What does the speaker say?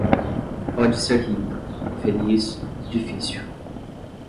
Pode ser rico, feliz - difícil.